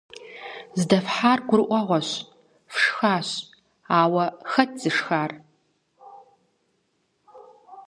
Здэфхьар гурыӀуэгъуэщ – фшхащ, ауэ хэт зышхар?